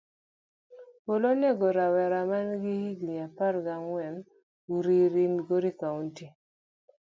Polo onego rawera maja higni apar gi ang'wen uriri, migori kaunti.